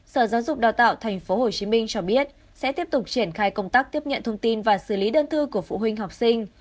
sở giáo dục đào tạo tp hcm cho biết sẽ tiếp tục triển khai công tác tiếp nhận thông tin và xử lý đơn thư của phụ huynh học sinh